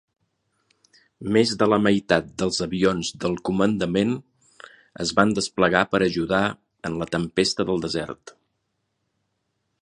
Més de la meitat dels avions del comandament es van desplegar per ajudar en la Tempesta del Desert.